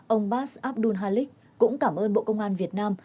ông bas abdul halik cũng cảm ơn bộ công an việt nam